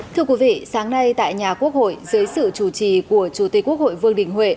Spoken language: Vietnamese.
thưa quý vị sáng nay tại nhà quốc hội dưới sự chủ trì của chủ tịch quốc hội vương đình huệ